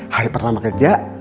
hari pertama kerja